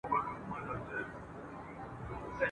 خو لکه سیوری بې اختیاره ځمه ..